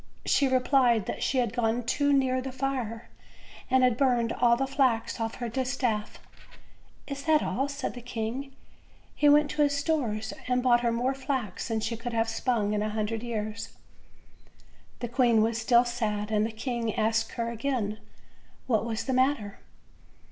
She replied that she had gone too near the fire, and had burned all the flax off her distaff. "Is that all?" said the king. He went to his stores, and brought her more flax than she could have spun in a hundred years. The queen was still sad, and the king asked her again what was the matter.